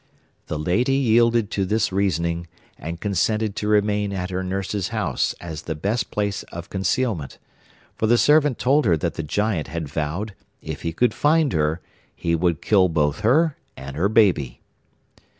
'The lady yielded to this reasoning, and consented to remain at her nurse's house as the best place of concealment; for the servant told her that the giant had vowed, if he could find her, he would kill both her and her baby.